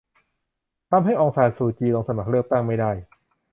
ทำให้อองซานซูจี ลงสมัครเลือกตั้งไม่ได้